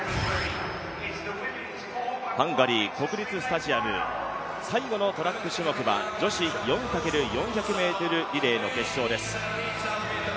ハンガリー国立スタジアム、最後のトラック種目は女子４×４００ｍリレーの決勝です。